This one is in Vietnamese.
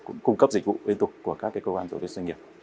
cũng cung cấp dịch vụ liên tục của các cơ quan tổ chức doanh nghiệp